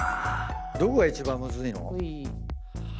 どこが一番ムズいの？